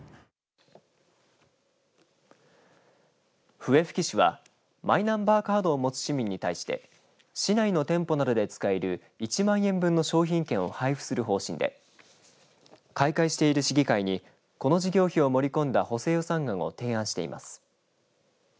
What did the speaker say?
笛吹市は、マイナンバーカードを持つ市民に対して市内の店舗などで使える１万円分の商品券を配布する方針で開会している市議会にこの事業費を盛り込んだ補正予算案を提案しています。